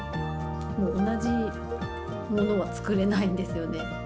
同じものは作れないんですよね。